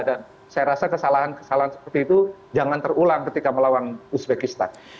dan saya rasa kesalahan kesalahan seperti itu jangan terulang ketika melawan uzbekistan